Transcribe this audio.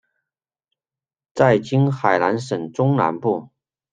在今海南省中南部。